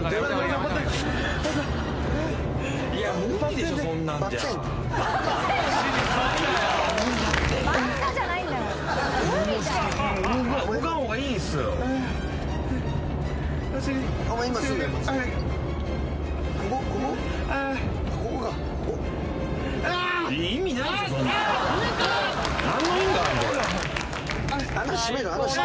何の意味があんの？